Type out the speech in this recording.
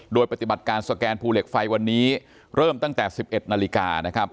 โดยปฏิบัติการสแกนภูเหล็กไฟวันนี้เริ่มตั้งแต่๑๑นาฬิกานะครับ